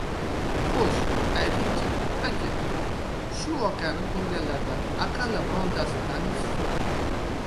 — Xo‘sh, ayting-chi, aka, shu voqeani ko‘rganlardan aqalli birontasini taniysizmi?